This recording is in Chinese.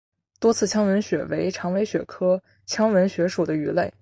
多刺腔吻鳕为长尾鳕科腔吻鳕属的鱼类。